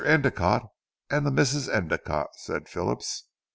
Endicotte, the Misses Endicotte," said Phillips.